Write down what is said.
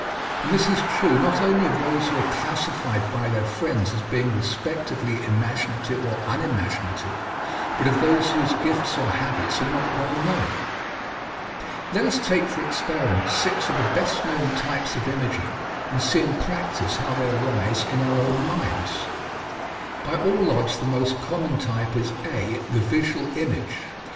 And this is true not only of those who are classified by their friends as being respectively imaginative or unimaginative, but of those whose gifts or habits are not well known. Let us take for experiment six of the best known types of imaging and see in practise how they arise in our own minds. By all odds the most common type is, (a) the visual image.